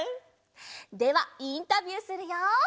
ではインタビューするよ。